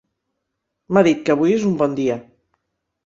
M'ha dit que avui és un bon dia.